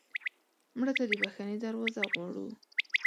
مړه ته د بښنې دروازه غواړو